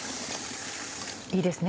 いいですね